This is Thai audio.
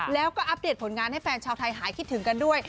แล้วก็อัปเดตผลงานให้แฟนชาวไทยหายคิดถึงกันด้วย